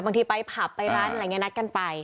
บางทีไปผับไปร้านอะไรอย่างนี้นัดกันไป